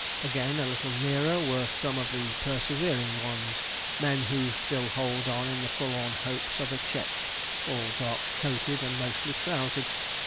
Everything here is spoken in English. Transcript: Again, a little nearer, were some of the persevering ones men who still hold on in the forlorn hopes of a check all dark coated, and mostly trousered.